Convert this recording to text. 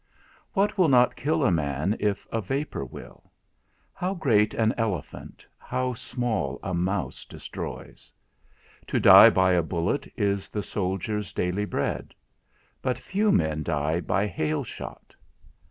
What will not kill a man if a vapour will? How great an elephant, how small a mouse destroys! To die by a bullet is the soldier's daily bread; but few men die by hail shot.